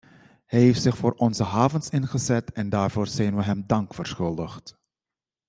Hij heeft zich voor onze havens ingezet en daarvoor zijn wij hem dank verschuldigd.